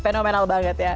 fenomenal banget ya